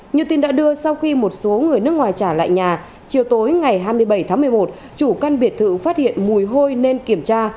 như tin đã đưa sau khi một số người nước ngoài trả lại nhà chiều tối ngày hai mươi bảy tháng một mươi một chủ căn biệt thự phát hiện mùi hôi nên kiểm tra